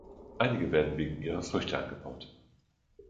Einige werden wegen ihrer Früchte angebaut.